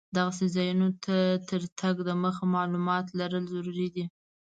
دغسې ځایونو ته تر تګ دمخه معلومات لرل ضرور دي.